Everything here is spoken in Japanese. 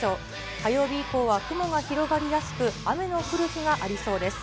火曜日以降は雲が広がりやすく、雨の降る日がありそうです。